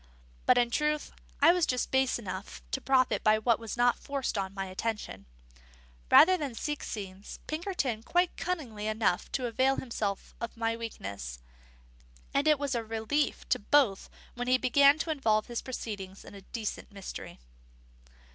But, in truth, I was just base enough to profit by what was not forced on my attention, rather than seek scenes: Pinkerton quite cunning enough to avail himself of my weakness; and it was a relief to both when he began to involve his proceedings in a decent mystery.